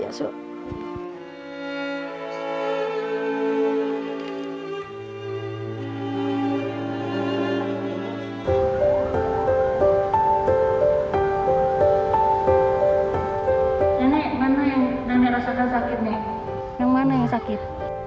nenek nenek rasakan sakitnya yang mana yang sakit